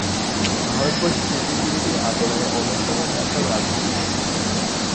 ভারতবর্ষে ব্রিটিশবিরোধী আন্দোলনের অন্যতম নেতা ও রাজনীতিবিদ ছিলেন।